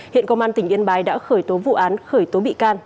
hiện công an tỉnh yên bái đã khởi tố vụ án khởi tố bị can